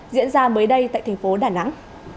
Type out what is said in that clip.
diễn ra mới đây tại thành phố đà nẵng